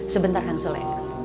sebentar kang sule